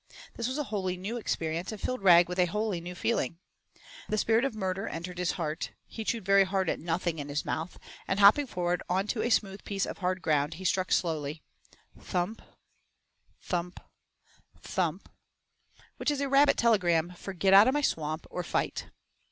This was a wholly new experience and filled Rag with a wholly new feeling. The spirit of murder entered his heart; he chewed very hard at nothing in his mouth, and hopping forward onto a smooth piece of hard ground he struck slowly: 'Thump thump thump,' which is a rabbit telegram for 'Get out of my swamp, or fight.'